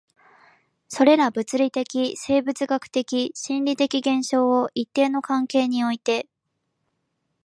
それら物理的、生物学的、心理的現象を一定の関係において